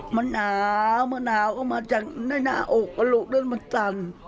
มันหนาวมันหนาวออกก็ลุกด้วยมันสั่น